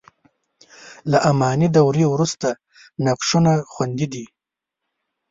له اماني دورې وروسته نقشونه خوندي دي.